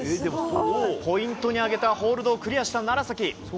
ポイントに挙げたホールドをクリアした楢崎。